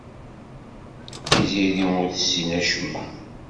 Tiziri ur tessin acemma.